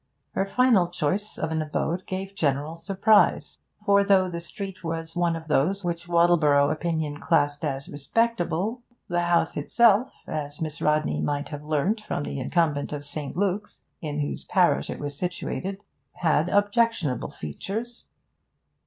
Her final choice of an abode gave general surprise, for though the street was one of those which Wattleborough opinion classed as 'respectable,' the house itself, as Miss Rodney might have learnt from the incumbent of St. Luke's, in whose parish it was situated, had objectionable features.